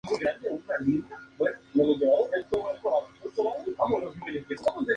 Ventralmente las alas anteriores son de color negro.